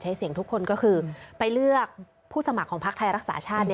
ใช้เสียงทุกคนก็คือไปเลือกผู้สมัครของพักไทยรักษาชาติ